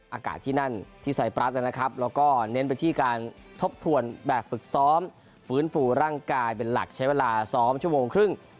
อากาศที่นั่นที่ไซปรัสนะครับแล้วก็เน้นไปที่การทบทวนแบบฝึกซ้อมฟื้นฟูร่างกายเป็นหลักใช้เวลาซ้อมชั่วโมงครึ่ง